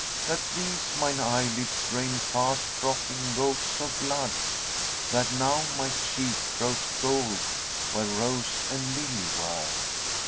That these mine eyelids rain fast dropping gouts of blood? * That now my cheek grows gold where rose and lily were?